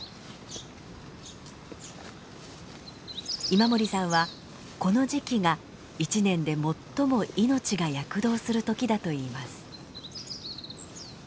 今森さんはこの時期が１年で最も命が躍動するときだと言います。